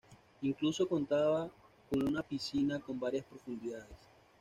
Incluso contaban con una piscina con varias profundidades.